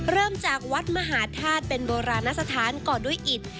เริ่มจากวัดมหาธาตุเป็นโบราณสถานก่อด้วยอิต